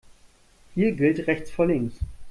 Hier gilt rechts vor links.